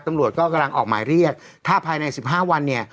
ตำรวจก็กำลังออกหมายเรียกถ้าภายในสิบห้าวันเนี่ย